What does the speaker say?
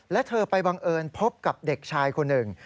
และเธอไปบังเอิญพบกับเด็กชายคนหนึ่ง